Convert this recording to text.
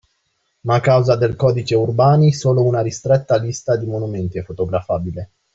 Ma a causa del Codice Urbani solo una ristretta lista di monumenti è fotografabile